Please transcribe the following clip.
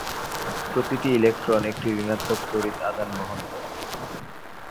প্রতিটি ইলেকট্রন একটি ঋণাত্মক তড়িৎ আধান বহন করে।